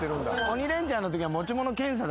『鬼レンチャン』のときは。